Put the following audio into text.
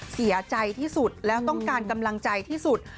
เสียใจที่สุดแล้วต้องการกำลังใจที่สุด